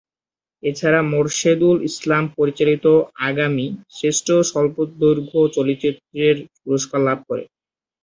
এছাড়া মোরশেদুল ইসলাম পরিচালিত "আগামী" শ্রেষ্ঠ স্বল্পদৈর্ঘ্য চলচ্চিত্রের পুরস্কার লাভ করে।